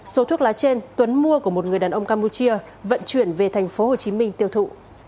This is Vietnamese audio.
số thuốc lá trên tuấn mua của một người đàn ông campuchia vận chuyển về tp hcm tiêu thụ